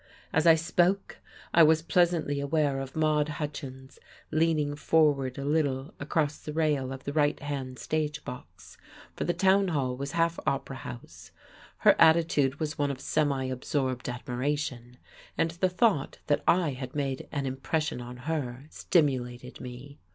As I spoke, I was pleasantly aware of Maude Hutchins leaning forward a little across the rail of the right hand stage box for the town hall was half opera house; her attitude was one of semi absorbed admiration; and the thought that I had made an impression on her stimulated me.